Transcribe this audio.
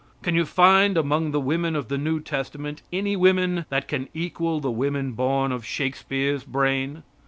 Can you find among the women of the new testament any women that can equal the women born of Shakespeare's brain?